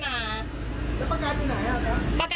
แล้วประกันอยู่ไหนอ่ะครับ